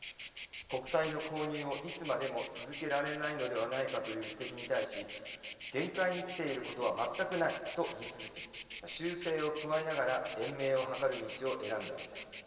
国債の購入をいつまでも続けられないのではないかという指摘に対し限界にきていることは全くないと言い続け、修正を加えながら延命を図る道を選んだのです。